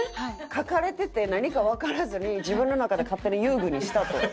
書かれてて何かわからずに自分の中で勝手に遊具にしたと。